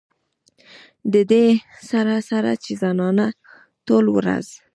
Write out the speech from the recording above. د دې سره سره چې زنانه ټوله ورځ